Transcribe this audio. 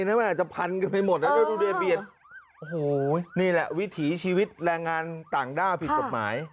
นั่นมันอาจจะพันกันไปหมดแล้วโอ้โฮนี่แหละวิถีชีวิตแรงงานต่างด้าผิดสมัย